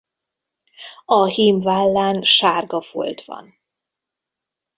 A hím vállán sárga folt van.